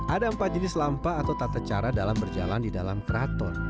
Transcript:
ada empat jenis lampa atau tata cara dalam berjalan di dalam keraton